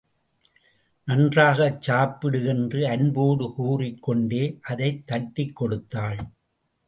நன்றாகச் சாப்பிடு என்று அன்போடு கூறிக்கொண்டே அதைத் தட்டிக்கொடுத்தாள்.